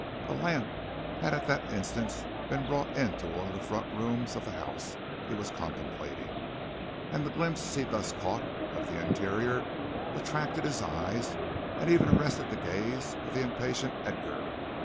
A lamp had at that instant been brought into one of the front rooms of the house he was contemplating, and the glimpse he thus caught of the interior attracted his eyes and even arrested the gaze of the impatient Edgar.